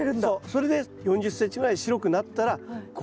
それで４０ｃｍぐらい白くなったら合格ということです。